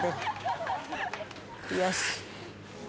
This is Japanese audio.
よし。